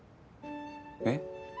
えっ？